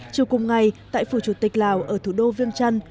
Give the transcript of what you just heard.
chiều cùng ngày tại phủ chủ tịch lào ở thủ đô viêng trăn